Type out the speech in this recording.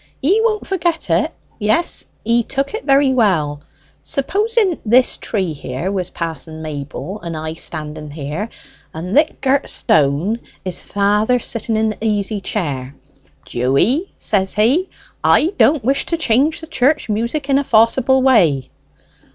He won't forget it. Yes, he took it very well. Supposing this tree here was Pa'son Mayble, and I standing here, and thik gr't stone is father sitting in the easy chair. 'Dewy,' says he, 'I don't wish to change the church music in a forcible way.'"